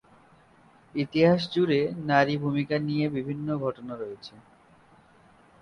ইতিহাস জুড়ে নারী ভূমিকা নিয়ে বিভিন্ন ঘটনা রয়েছে।